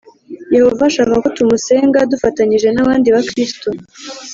Yehova ashaka ko tumusenga dufatanyije n’abandi Bakristo .